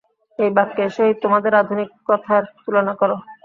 এই বাক্যের সহিত তোমাদের আধুনিক প্রথার তুলনা কর।